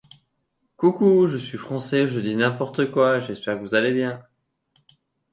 Camping, open fires, and domestic animals are not permitted in the park.